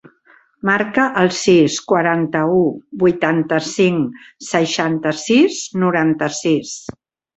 Marca el sis, quaranta-u, vuitanta-cinc, seixanta-sis, noranta-sis.